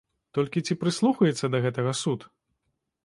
Толькі ці прыслухаецца да гэтага суд?